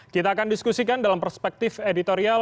kita akan diskusikan dalam perspektif editorial